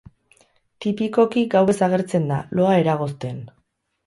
Tipikoki gauez agertzen da, loa eragozten.